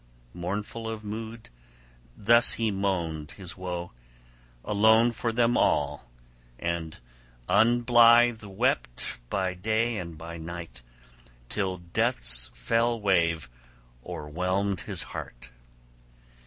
Mournful of mood, thus he moaned his woe, alone, for them all, and unblithe wept by day and by night, till death's fell wave o'erwhelmed his heart.